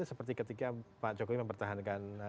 seperti ketika pak jokowi mempertahankan